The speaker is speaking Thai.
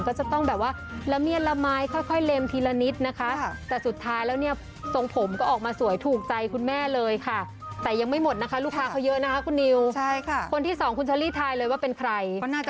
ก็จะต้องละเมียรละไม้ค่อยเล็มทีละนิด